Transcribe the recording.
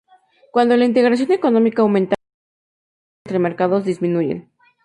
Cuando la integración económica aumenta, las barreras al comercio entre mercados disminuyen.